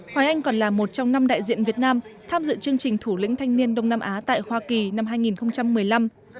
hoài anh còn là một trong năm đại diện việt nam tham dự chương trình thủ lĩnh thanh niên đông nam á tại hoa kỳ năm hai nghìn một mươi năm